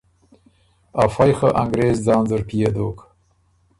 افئ خه انګرېز ځان زر پئے دوک۔